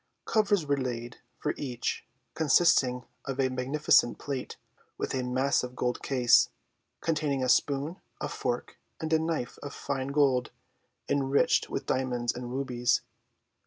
Covers were laid for each, consisting of a magnificent plate, with a massive gold case, containing a spoon, a fork, and a knife of fine gold, enriched with diamonds and rubies.